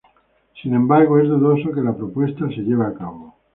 Sin embargo, es dudoso que la propuesta se lleve a cabo.